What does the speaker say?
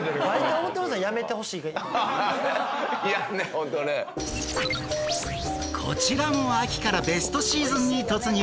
ホントねこちらも秋からベストシーズンに突入